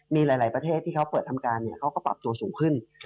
มีหลายประเทศที่เขาเปิดทำการเขาก็ปรับตัวสูงขึ้น